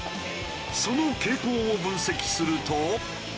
その傾向を分析すると。